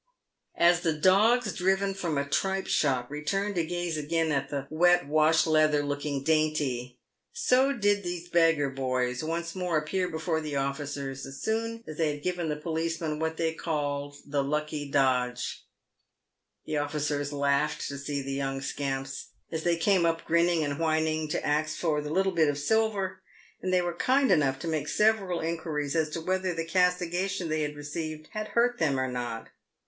As the dogs driven from a tripe shop return to gaze again at the wet washleather looking dainty, so did these beggar boys once more appear before the officers as soon as they had given the policeman what they called the "lucky dodge." The officers laughed to see the young scamps, as they came up grinning and whining to ask for "the little bit of silver," and they were kind enough to make several inquiries as to whether the easti gation they had received had hurt them or not.